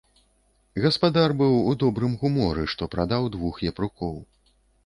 Гаспадар быў у добрым гуморы, што прадаў двух япрукоў.